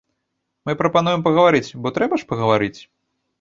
Мы прапануем пагаварыць, бо трэба ж пагаварыць?